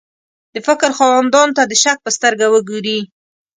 د فکر خاوندانو ته د شک په سترګه وګوري.